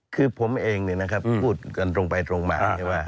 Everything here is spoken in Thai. คือผมเองนะครับพูดกันตรงไปตรงหมา